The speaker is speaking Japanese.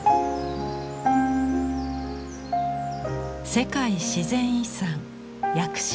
世界自然遺産屋久島。